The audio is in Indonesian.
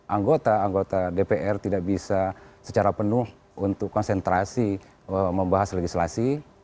anggota anggota dpr tidak bisa secara penuh untuk konsentrasi membahas legislasi